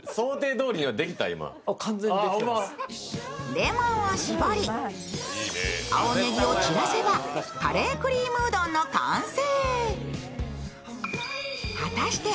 レモンを搾り、青ネギを散らせばカレークリームうどんの完成。